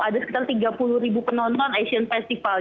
ada sekitar tiga puluh ribu penonton asian festival